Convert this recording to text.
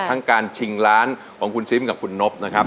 ทั้งการชิงล้านของคุณซิมกับคุณนบนะครับ